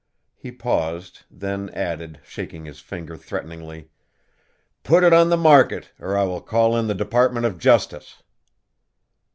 He paused, then added, shaking his finger threateningly, "Put it on the market or I will call in the Department of Justice!"